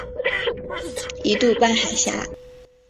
一度半海峡。